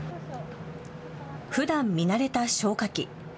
ふだん見慣れた消火器。